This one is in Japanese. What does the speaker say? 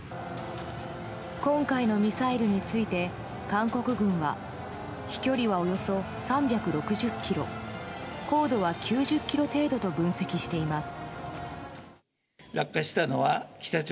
今回のミサイルについて韓国軍は飛距離はおよそ３６０ｋｍ高度は９０ｋｍと分析しています。